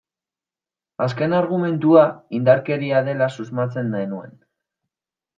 Azken argumentua indarkeria dela susmatzen genuen.